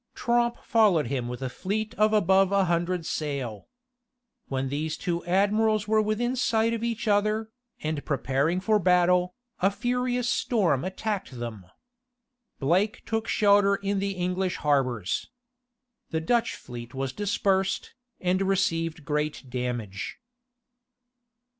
Tromp followed him with a fleet of above a hundred sail. When these two admirals were within sight of each other, and preparing for battle, a furious storm attacked them. Blake took shelter in the English harbors. The Dutch fleet was dispersed, and received great damage.